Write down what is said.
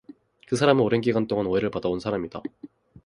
그 사람은 오랜 시간동안 오해를 받아온 사람이다